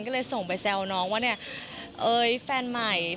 ก็เลยส่งไปแซวน้องว่าเนี่ยเอ้ยแฟนใหม่